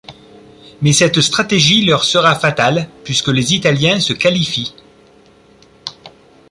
Mais cette stratégie leur sera fatale, puisque les Italiens se qualifient.